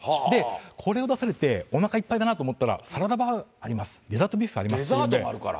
これを出されて、おなかいっぱいだなと思ったら、サラダバーあります、デザートもあるから。